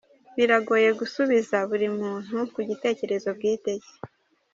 Biragoye gusubiza buri muntu ku gitekerezo bwite cye.